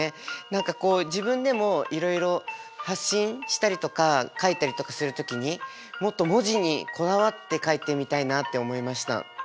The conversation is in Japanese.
何かこう自分でもいろいろ発信したりとか書いたりとかする時にもっと文字にこだわって書いてみたいなって思いました。